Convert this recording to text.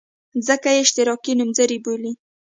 ځکه یې اشتراکي نومځري بولي.